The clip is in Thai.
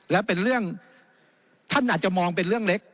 และเป็นเรื่องท่านอาจจะมองเป็นเรื่องเล็ก